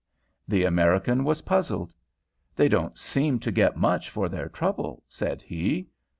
The American was puzzled. "They don't seem to get much for their trouble," said he.